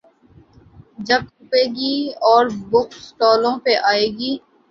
جب چھپے گی اور بک سٹالوں پہ آئے گی۔